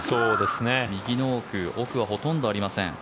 右の奥奥はほとんどありません。